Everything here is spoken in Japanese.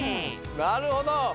なるほど。